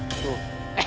aduh nggak di sini